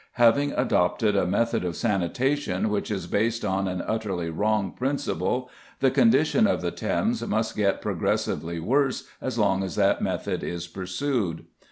Having adopted a method of sanitation which is based on an utterly wrong principle, the condition of the Thames must get progressively worse as long as that method is pursued.